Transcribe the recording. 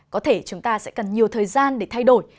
có thể chúng ta sẽ cần nhiều thời gian để thay đổi